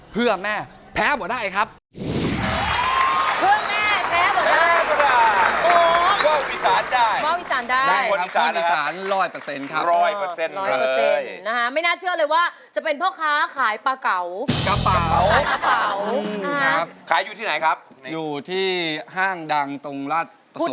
เผื่อแม่แพ้กว่าได้ครับ